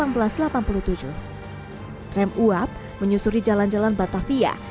pada tahun seribu delapan ratus enam puluh empat trem uap menyusuri jalan jalan batavia